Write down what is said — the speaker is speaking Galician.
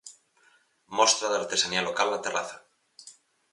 Mostra de artesanía local na terraza.